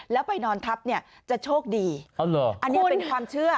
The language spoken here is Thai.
แล้วไปนอนทับเนี่ยจะโชคดีอันนี้เป็นความเชื่อ